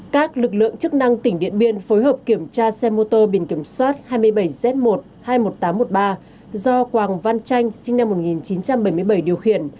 các lực lượng chức năng tỉnh điện biên phối hợp kiểm tra xe mô tô biển kiểm soát hai mươi bảy z một trăm hai mươi một nghìn tám trăm một mươi ba do quảng văn chanh sinh năm một nghìn chín trăm bảy mươi bảy điều khiển